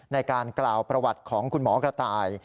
ในการกล่าวประวัติของคุณหมอกระต่าย